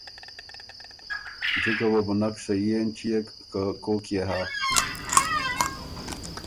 جِکه وه بُو نک سهي اېنچيېک که کوک يې هۀ